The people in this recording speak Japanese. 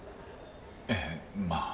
ええまあ。